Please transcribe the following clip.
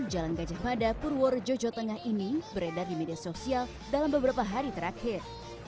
jalan gajah mada purworejo jawa tengah ini beredar di media sosial dalam beberapa hari terakhir